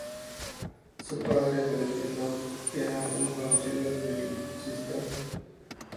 Su padre, Valentin Dont, era un conocido violonchelista.